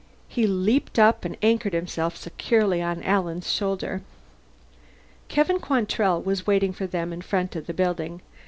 He leaped up and anchored himself securely on Alan's shoulder. Kevin Quantrell was waiting for them in front of the building.